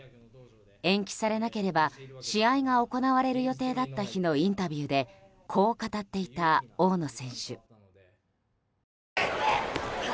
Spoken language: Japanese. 延期されなければ試合が行われる予定だった日のインタビューでこう語っていた大野選手。